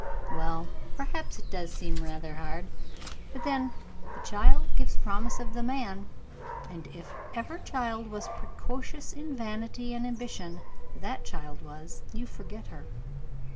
"Well, perhaps it does seem rather hard; but then, 'the child gives promise of the man,' and if ever child was precocious in vanity and ambition, that child was. You forget her."